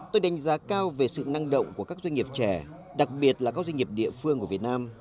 tôi đánh giá cao về sự năng động của các doanh nghiệp trẻ đặc biệt là các doanh nghiệp địa phương của việt nam